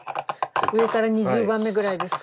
上から２０番目ぐらいですか。